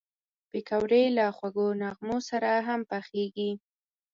پکورې له خوږو نغمو سره هم پخېږي